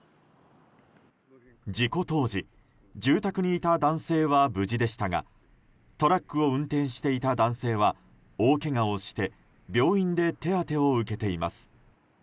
事故当時住宅にいた男性は無事でしたがトラックを運転していた男性は大けがをして病院で手当てを受けています。